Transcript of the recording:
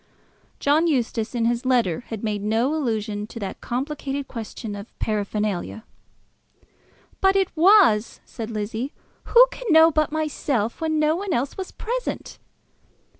John Eustace in his letter had made no allusion to that complicated question of paraphernalia. "But it was," said Lizzie. "Who can know but myself, when no one else was present?"